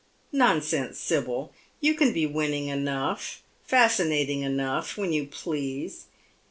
Nonsense, Sibyl ! you can be winning enough, fascinating enough, when you please.